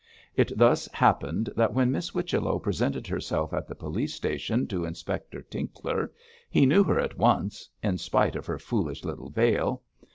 It thus happened that, when Miss Whichello presented herself at the police station to Inspector Tinkler, he knew her at once, in spite of her foolish little veil.